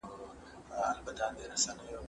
ډېر نومونه سول په منځ کي لاندي باندي